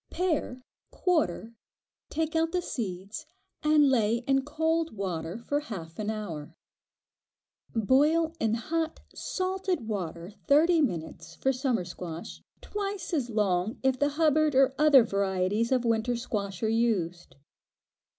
Pare, quarter, take out the seeds, and lay in cold water for half an hour. Boil in hot salted water thirty minutes for summer squash; twice as long if the "Hubbard" or other varieties of winter squash are used.